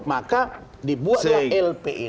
maka dibuat dia lpn